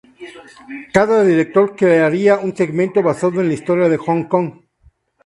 Cada director crearía un segmento basado en la historia de Hong Kong.